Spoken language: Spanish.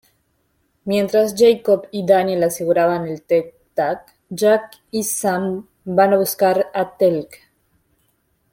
Mientras Jacob y Daniel aseguran el Tel’tak, Jack y Sam van buscar a Teal'c.